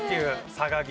佐賀牛